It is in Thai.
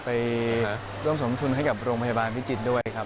ไปร่วมสมทุนให้กับโรงพยาบาลพิจิตรด้วยครับ